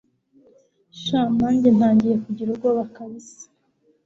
sha nanjye ntagiye kugira ubwoba kabisa